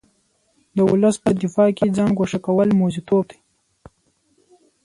د ولس په دفاع کې ځان ګوښه کول موزیتوب دی.